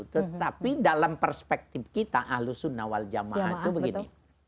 tetapi dalam perspektif kita ahlus sunna wal jamaah itu begini